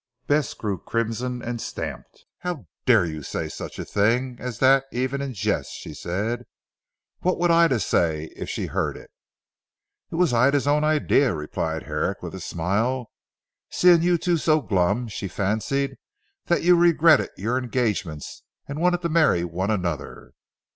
Bess grew crimson and stamped. "How dare you say such a thing as that even in jest?" she said. "What would Ida say if she heard it." "It was Ida's own idea," replied Herrick with a smile, "seeing you two so glum, she fancied that you regretted your engagements and wanted to marry one another.